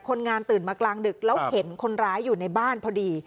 คนงานตื่นมากลางดึกแล้วเห็นคนร้ายอยู่ในบ้านพอดี